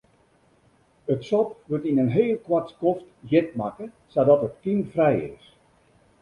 It sop wurdt yn in heel koart skoft hjit makke sadat it kymfrij is.